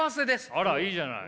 あらいいじゃない。